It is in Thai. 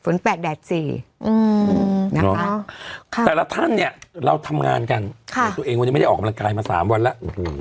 แต่ละท่านเนี่ยเราทำงานกันตัวเองวันนี้ไม่ได้ออกกำลังกายมา๓วันแล้ว